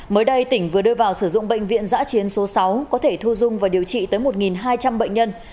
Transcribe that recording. mới đây tỉnh vừa đưa vào sử dụng bệnh viện giã chiến số sáu có thể thu dung và điều trị tới một hai trăm linh bệnh nhân